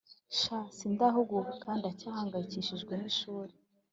sha sindahuguka ndacyahangayikishijwe nishuri